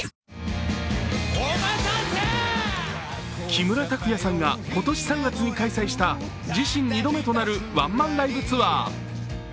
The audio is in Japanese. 木村拓哉さんが今年３月に開催した自身２度目となるワンマンライブツアー。